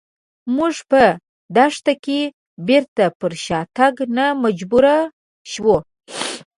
موږ په دښته کې بېرته پر شاتګ ته مجبور شوو.